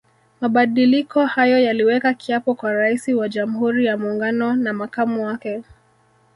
Mabadiliko hayo yaliweka kiapo kwa Raisi wa Jamhuri ya Muungano na makamu wake